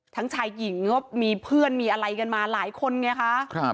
ชายหญิงก็มีเพื่อนมีอะไรกันมาหลายคนไงคะ